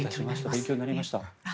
勉強になりました。